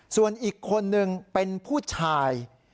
ส่วนอีกคนนึงเป็นผู้ชาย